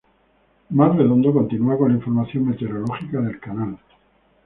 Marc Redondo continúa con la información meteorológica del canal.